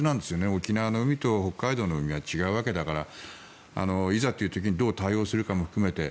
沖縄の海と北海道の海は違うわけだからいざという時にどう対応するかも含めて。